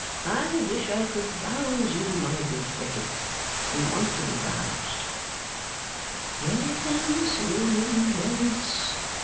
I wish I could rouse you, my good Frederick; you want to be roused.' 'Yes, William, yes.